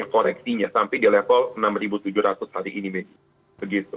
koreksinya sampai di level enam tujuh ratus hari ini